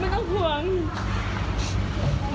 ไม่ต้องห่วง